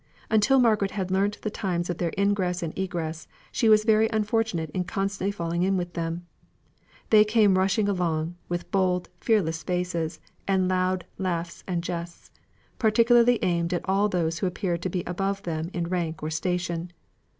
Until Margaret had learnt the times of their ingress and egress, she was very unfortunate in constantly falling in with them. They came rushing along, with bold, fearless faces, and loud laughs and jests, particularly aimed at all those who appeared to be above them in rank or station.